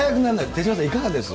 手嶋さん、いかがです？